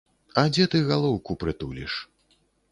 А дзе ты галоўку прытуліш?